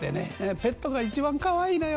「ペットが一番かわいいのよ。